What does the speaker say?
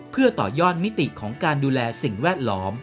เพื่อต่อยอดมิติของการดูแลสิ่งแวดล้อม